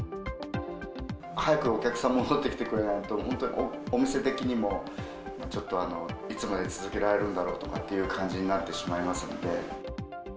早くお客さん戻ってきてくれないと、本当にお店的にも、ちょっといつまで続けられるんだろうという感じになってしまいま